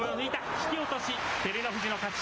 引き落とし、照ノ富士の勝ち。